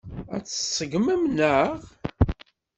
Ad t-tṣeggmem, naɣ?